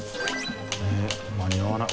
佑間に合わない。